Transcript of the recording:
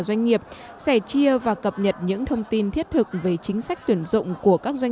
doanh nghiệp sẻ chia và cập nhật những thông tin thiết thực về chính sách tuyển dụng của các doanh